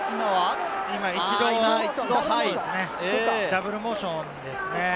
ダブルモーションですね。